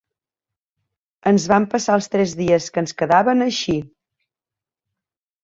Ens vam passar els tres dies que ens quedaven així.